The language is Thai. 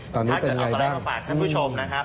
ถ้าเกิดเอาสไลน์มาฝากท่านผู้ชมนะครับ